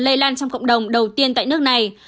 lây lan trong cộng đồng đầu tiên tại nước này